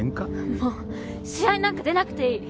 もう試合なんか出なくていい！